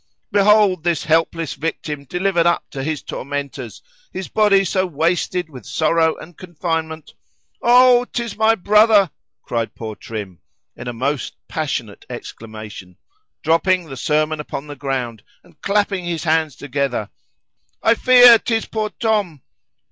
]—"Behold this helpless victim delivered up to his tormentors,—his body so wasted with sorrow and confinement."—[Oh! 'tis my brother, cried poor Trim in a most passionate exclamation, dropping the sermon upon the ground, and clapping his hands together—I fear 'tis poor _Tom.